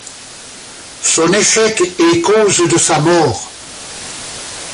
Son échec est cause de sa mort.